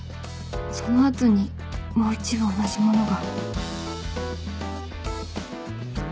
その後にもう１部同じものが